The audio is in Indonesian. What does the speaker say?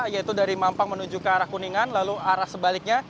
yaitu dari mampang menuju ke arah kuningan lalu arah sebaliknya